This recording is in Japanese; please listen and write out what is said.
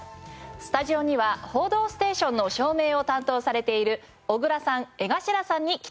スタジオには『報道ステーション』の照明を担当されている小倉さん江頭さんに来て頂きました。